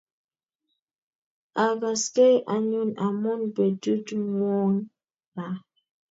Ogaskei anyun amun petut ng'wong' ra.